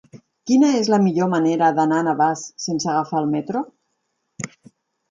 Quina és la millor manera d'anar a Navàs sense agafar el metro?